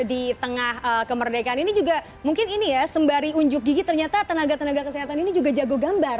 di tengah kemerdekaan ini juga mungkin ini ya sembari unjuk gigi ternyata tenaga tenaga kesehatan ini juga jago gambar